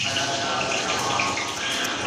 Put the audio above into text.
بېځایه داسې شین په خپل دامان نه شو دا غر